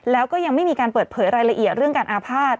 แล้วก็ยังไม่มีการเปิดเผยรายละเอียดเรื่องการอาภาษณ